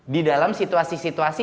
di dalam situasi situasi